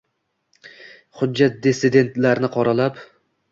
Hujjat dissidentlarni qoralab